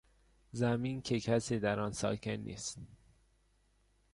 زمین که کسی در آن ساکن نیست